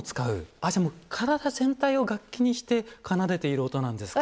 あっじゃあ体全体を楽器にして奏でている音なんですか。